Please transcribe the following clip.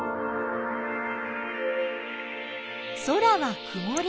空はくもり。